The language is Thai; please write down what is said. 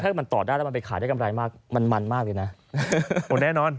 ถ้ามันต่อได้แล้วมันไปขายได้กำไรมากมันมันมากเลยนะแน่นอน